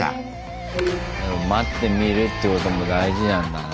待ってみるってことも大事なんだな。